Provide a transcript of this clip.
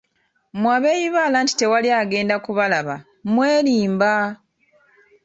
Mmwe abeeyibaala nti tewali agenda kubalaba mwerimba!